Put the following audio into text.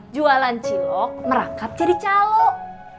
jualan cilok merangkap jadi calok